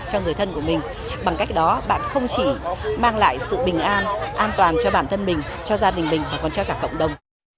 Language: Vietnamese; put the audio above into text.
cho người thân của mình bằng cách đó bạn không chỉ mang lại sự bình an an toàn cho bản thân mình cho gia đình mình mà còn cho cả cộng đồng